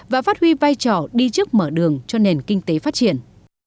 và phát huy vai trò đi trước mở đường cho nền kinh tế phát triển